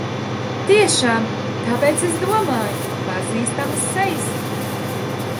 Tiešām! Tāpēc es domāju pazīstamas sejas.